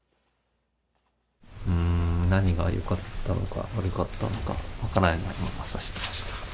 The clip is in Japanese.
何がよかったのか、悪かったのか、分からないまま指してました。